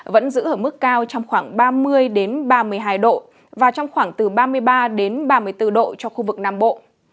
vẫn giữ ở mức cao trong khoảng ba mươi ba mươi hai độ và trong khoảng từ ba mươi ba đến ba mươi bốn độ cho khu vực nam bộ